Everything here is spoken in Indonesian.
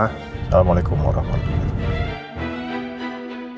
assalamualaikum warahmatullahi wabarakatuh